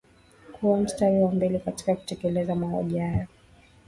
kuwa mstari wa mbele katika kutekeleza mauaji hayo